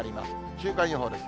週間予報です。